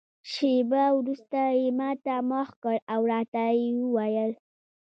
شېبه وروسته یې ما ته مخ کړ او راته ویې ویل.